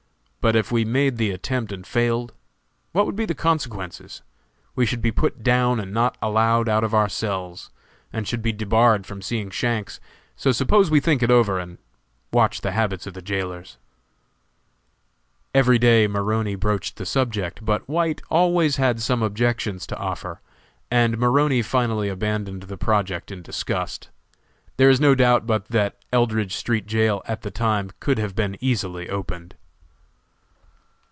But if we made the attempt and failed, what would be the consequences? We should be put down and not allowed out of our cells, and I should be debarred from seeing Shanks; so suppose we think it over, and watch the habits of the jailors." Every day Maroney broached the subject, but White always had some objections to offer, and Maroney finally abandoned the project in disgust. There is no doubt but that Eldridge street jail at the time could have been easily opened.